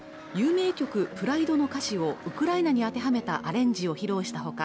有名曲「プライド」の歌詞をウクライナに当てはめたアレンジを披露したほか